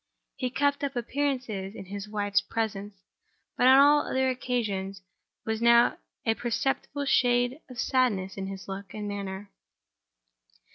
He kept up appearances in his wife's presence—but on all other occasions there was now a perceptible shade of sadness in his look and manner.